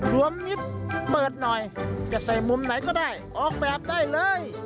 วมนิดเปิดหน่อยจะใส่มุมไหนก็ได้ออกแบบได้เลย